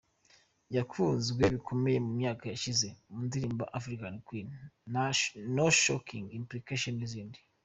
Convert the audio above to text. Yakunzwe bikomeye mu myaka yashize mu ndirimbo ‘African Queen’, ‘No Shaking’, ‘Implication’ n’izindi.